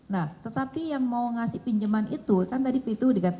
nah tetapi yang mau ngasih pinjeman itu kan tadi p dua p kan menemukan